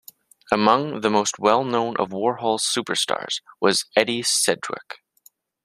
Among the most well-known of Warhol's superstars was Edie Sedgwick.